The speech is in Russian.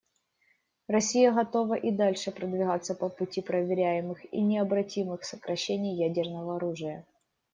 Россия готова и дальше продвигаться по пути проверяемых и необратимых сокращений ядерного оружия.